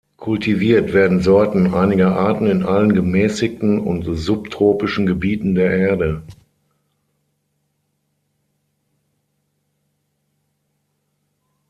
Kultiviert werden Sorten einiger Arten in allen gemäßigten und subtropischen Gebieten der Erde.